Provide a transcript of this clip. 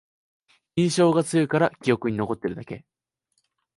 印象が強いから記憶に残ってるだけ